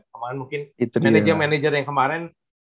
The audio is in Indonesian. kemarin mungkin manager manager yang kemarin